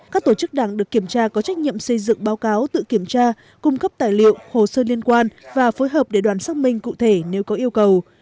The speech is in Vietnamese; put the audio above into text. các tổ chức đảng được kiểm tra có trách nhiệm xây dựng báo cáo tự kiểm tra cung cấp tài liệu hồ sơ liên quan và phối hợp để đoàn xác minh cụ thể nếu có yêu cầu